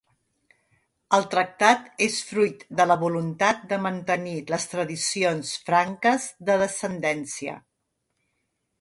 El tractat és fruit de la voluntat de mantenir les tradicions franques de descendència.